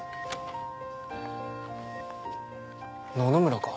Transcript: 野々村か。